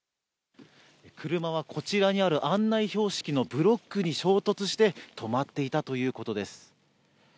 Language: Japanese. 車は、こちらにある案内標識のブロックに衝突して止まっていたということです。